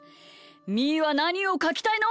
みーはなにをかきたいの？